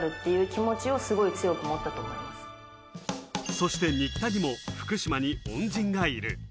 そして新田にも福島に恩人がいる。